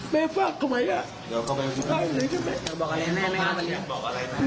ไม่ฟักอะไร